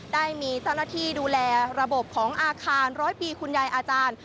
ได้มีเจ้าหน้าที่ดูแลระบบของอาคารร้อยปีคุณยายอาจารย์